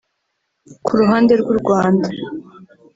ku ruhande rw’u Rwanda